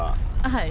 はい。